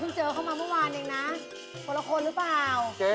เจ๊ลองแล้วเจ๊เต้นด้วย